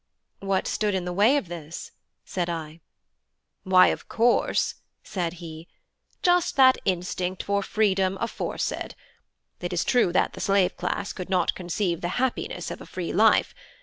"What stood in the way of this?" said I. "Why, of course," said he, "just that instinct for freedom aforesaid. It is true that the slave class could not conceive the happiness of a free life.